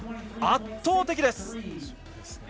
圧倒的です。